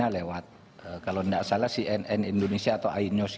dari medina lewat kalau tidak salah cnn indonesia atau ainews